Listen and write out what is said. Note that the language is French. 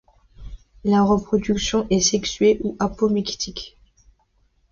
La reproduction est sexuée ou apomictique.